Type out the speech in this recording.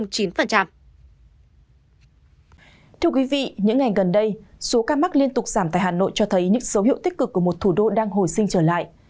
thưa quý vị những ngày gần đây số ca mắc liên tục giảm tại hà nội cho thấy những dấu hiệu tích cực của một thủ đô đang hồi sinh trở lại